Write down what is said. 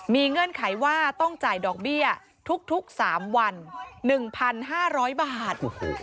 มีเงื่อนไขว่าต้องจ่ายดอกเบี้ยทุก๓วัน๑๕๐๐บาท